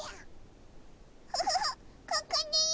フフフここだよ。